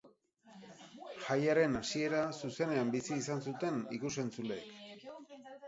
Jaiaren hasiera zuzenean bizi izan zuten ikus-entzuleek.